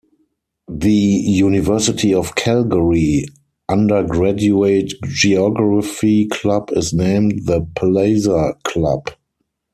The University of Calgary undergraduate Geography club is named the Palliser Club.